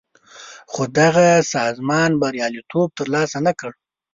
خو دغه سازمان بریالیتوب تر لاسه نه کړ.